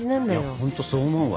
本当そう思うわ。